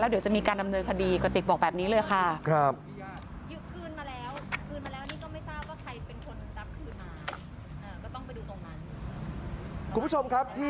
เดี๋ยวจะมีการดำเนินคดีกระติกบอกแบบนี้เลยค่ะ